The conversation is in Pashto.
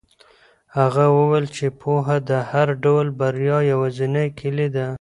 هغه وویل چې پوهه د هر ډول بریا یوازینۍ کیلي ده.